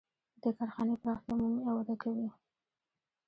د دې کارخانې پراختیا مومي او وده کوي